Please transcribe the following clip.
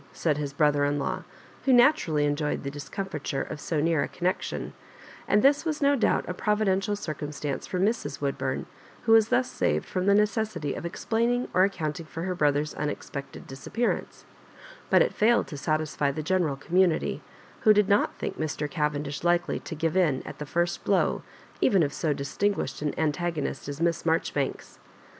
said his brother in law, who naturally enjoyed the discomfiture of so near a connection ; and this was no doubt a providential circumstance for Mrs. Woodburn, who was thus saved from the necessity of explaining or accounting for her bro ther's unexpected disappearance ; but it failed to satisfy the general community, who did not think Mr. Cavendish likely to give in at the first blow even of so distinguished an antagonist as Miss Maijoribanks.